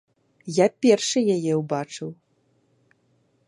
Я першы яе ўбачыў.